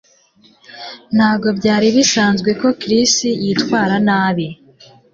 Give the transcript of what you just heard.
ntabwo byari bisanzwe ko chris yitwara nabi